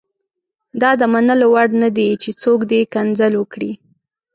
دا د منلو وړ نه دي چې څوک دې کنځل وکړي.